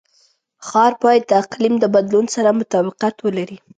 ښار باید د اقلیم د بدلون سره مطابقت ولري.